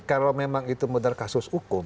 kalau memang itu benar kasus hukum